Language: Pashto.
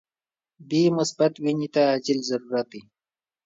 بی مثبت وینی ته عاجل ضرورت دي.